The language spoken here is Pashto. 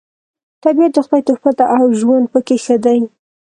طبیعت د خدای تحفه ده او ژوند پکې ښه دی